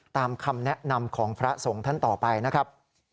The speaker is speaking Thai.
ตามคำแนะนำของพระสงฆ์ท่านต่อไปนะครับ